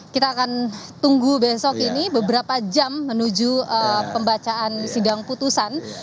kita akan tunggu besok ini beberapa jam menuju pembacaan sidang putusan